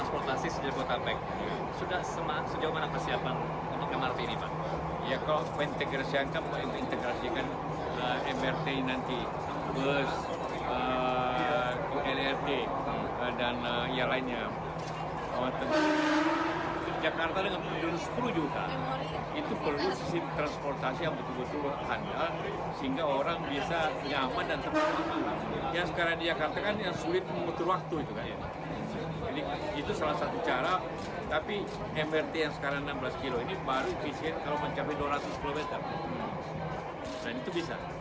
pertanyaan terakhir bagaimana untuk kesiapan untuk harga tarif